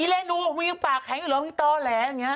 อีเรยรู้มึงปากแข็งอยู่ร้องตัวแร้ตังงี้